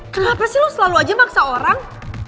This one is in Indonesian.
kenapa sih lo selalu aja maksa orang